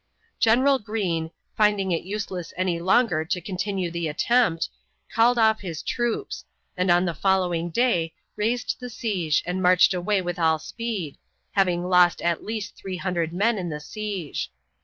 General Greene, finding it useless any longer to continue the attempt, called off his troops, and on the following day raised the siege and marched away with all speed, having lost at least 300 men in the siege.